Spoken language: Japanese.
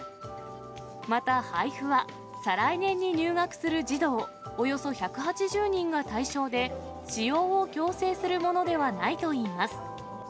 また配布は、再来年に入学する児童およそ１８０人が対象で、使用を強制するものではないといいます。